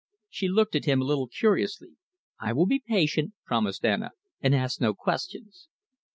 She looked at him a little curiously. "I will be patient," promised Anna, "and ask no questions."